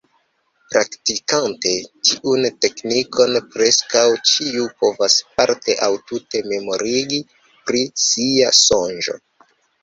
Praktikante tiun teknikon, preskaŭ ĉiu povas parte aŭ tute memori pri sia sonĝo.